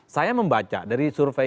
saya membaca dari survei